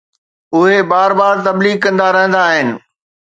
اهي بار بار تبليغ ڪندا رهندا آهن.